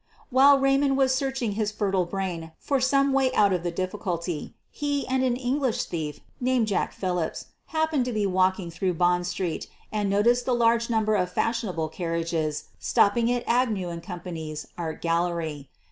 While Raymond was searching his fertile brain for some way out of the difficulty, he and an English thief named Jack Philips happened to be walking through Bond Street and noticed the large number of fashionable carriages stopping at Agnew & Com pany's art gallery.